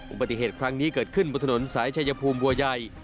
อุบัติเหตุครั้งนี้เกิดขึ้นบนถนนสายชายภูมิบัวใหญ่